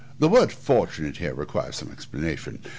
The word fortunate, here, requires some explanation.